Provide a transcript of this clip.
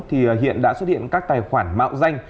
thì hiện đã xuất hiện các tài khoản mạo danh